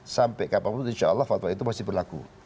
sampai kenapa muncul insya allah fatwa itu masih berlaku